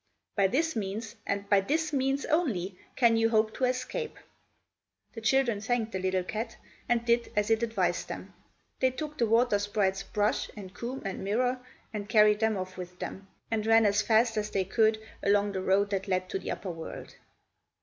By this means, and by this means only, can you hope to escape." The children thanked the little cat, and did as it advised them. They took the water sprite's brush and comb and mirror, and carried them off with them, and ran as fast as they could along the road that led to the upper world.